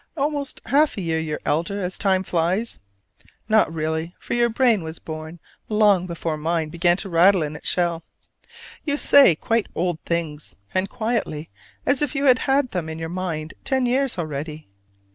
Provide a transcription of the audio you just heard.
Almost half a year your elder as time flies: not really, for your brain was born long before mine began to rattle in its shell. You say quite old things, and quietly, as if you had had them in your mind ten years already.